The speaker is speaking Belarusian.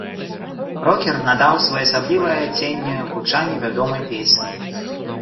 Рокер надаў своеасаблівае адценне гучанню вядомай песні.